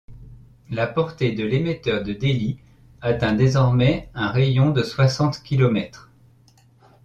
La portée de l'émetteur de Delhi atteint désormais un rayon de soixante kilomètres.